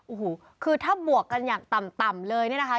โอ้โหคือถ้าบวกกันอย่างต่ำเลยเนี่ยนะคะ